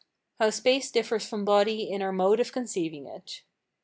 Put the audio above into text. How space differs from body in our mode of conceiving it.